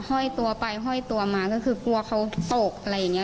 ห้อยตัวไปห้อยตัวมาก็คือกลัวเขาตกอะไรอย่างนี้